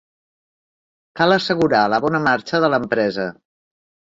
Cal assegurar la bona marxa de l'empresa.